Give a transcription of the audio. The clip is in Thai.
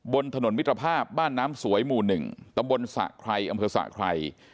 บนถนนมิตรภาพบ้านน้ำสวยหมู่๑ตำบลสะไครอำเภอสะไคร